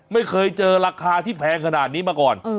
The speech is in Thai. ไม่เคยเจอราคาที่แพงขนาดนี้มาก่อน